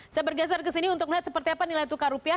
saya bergeser ke sini untuk melihat seperti apa nilai tukar rupiah